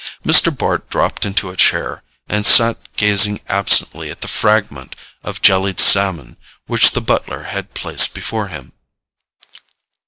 Mr. Bart dropped into a chair, and sat gazing absently at the fragment of jellied salmon which the butler had placed before him.